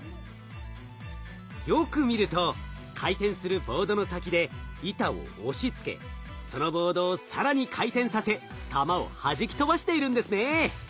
よく見ると回転するボードの先で板を押しつけそのボードを更に回転させ玉をはじき飛ばしているんですね。